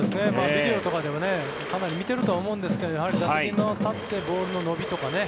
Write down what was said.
ビデオとかでもかなり見ているとは思うんですが打席に立ってボールの伸びとか。